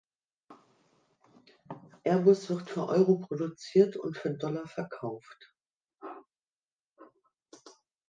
Airbus wird für Euro produziert und für Dollar verkauft.